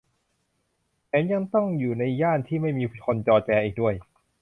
แถมยังต้องอยู่ในย่านที่ไม่มีผู้คนจอแจอีกด้วย